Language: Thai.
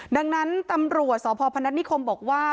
ดังนั้นตำรวจสพพนัฐนิคมบอกว่า